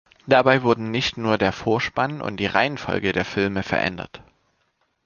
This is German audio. Dabei wurden nicht nur der Vorspann und die Reihenfolge der Filme verändert.